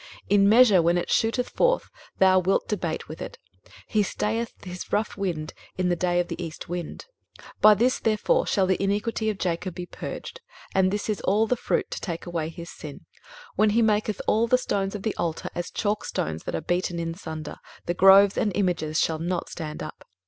23:027:008 In measure, when it shooteth forth, thou wilt debate with it: he stayeth his rough wind in the day of the east wind. 23:027:009 By this therefore shall the iniquity of Jacob be purged; and this is all the fruit to take away his sin; when he maketh all the stones of the altar as chalkstones that are beaten in sunder, the groves and images shall not stand up.